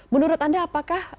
menurut anda apakah